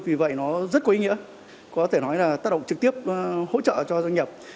vì vậy nó rất có ý nghĩa có thể nói là tác động trực tiếp hỗ trợ cho doanh nghiệp